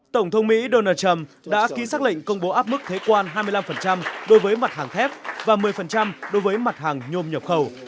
tổng thống mỹ donald trump đã ký xác lệnh công bố áp mức thuế quan hai mươi năm đối với mặt hàng thép và một mươi đối với mặt hàng nhôm nhập khẩu